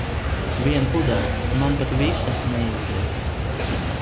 Vienu pudeli, man pat visa neizies.